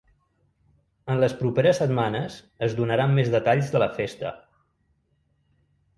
En les propers setmanes es donaran més detalls de la festa.